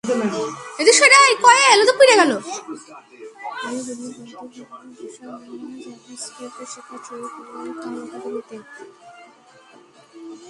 আমি গণিত বাদ দিয়ে প্রোগ্রামিং ভাষা জাভাস্ক্রিপ্ট শেখা শুরু করলাম খান একাডেমিতে।